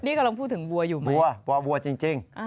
นี่กำลังพูดถึงวัวอยู่ไหมวัววัววัวจริง